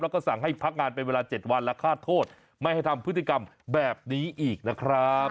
แล้วก็สั่งให้พักงานเป็นเวลา๗วันและฆ่าโทษไม่ให้ทำพฤติกรรมแบบนี้อีกนะครับ